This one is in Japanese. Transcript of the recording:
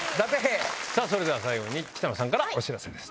それでは最後に北乃さんからお知らせです。